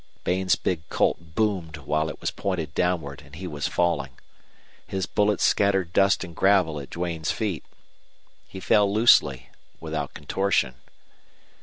Bain's big Colt boomed while it was pointed downward and he was falling. His bullet scattered dust and gravel at Duane's feet. He fell loosely, without contortion.